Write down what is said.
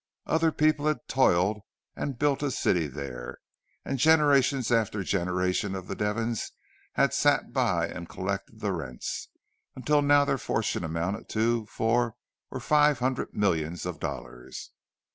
Other people had toiled and built a city there, and generation after generation of the Devons had sat by and collected the rents, until now their fortune amounted to four or five hundred millions of dollars.